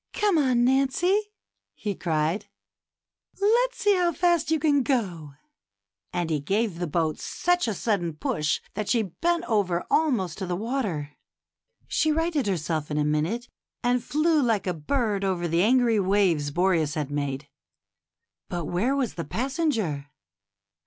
^^Come on, ^ Nancy,' " cried he, ^Het's see how fast you can go ;" and he gave the boat such a sudden push that she bent over almost to the water. She righted herself in a minute, and flew like a bird over the angry waves Boreas had made ; but where was the passenger